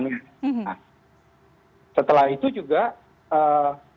nah setelah itu juga ee